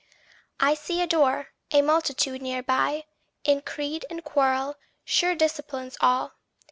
I see a door, a multitude near by, In creed and quarrel, sure disciples all!